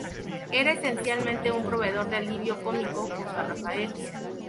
Era esencialmente un proveedor de alivio cómico, junto a Rafael.